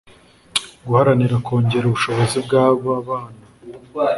Guharanira kongera ubushobozi bw ababana